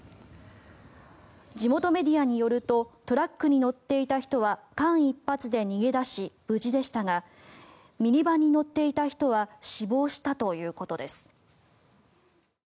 地元メディアによるとトラックに乗っていた人は間一髪で逃げ出し、無事でしたがミニバンに乗っていた人は死亡したということです。